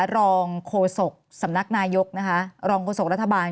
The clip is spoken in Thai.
รองโฆษกสำนักนายกนะคะรองโฆษกรัฐบาล